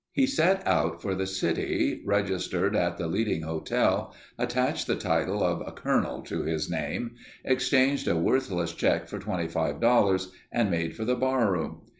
He set out for the city, registered at the leading hotel, attached the title of Colonel to his name; exchanged a worthless check for $25 and made for the barroom.